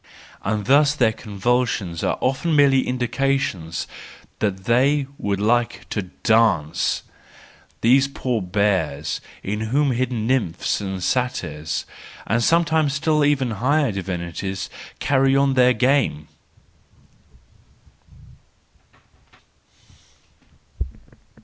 And thus their convulsions are often merely indications that they would like to dance: these poor bears in whom hidden nymphs and satyrs, and sometimes still higher divinities, carry on their game!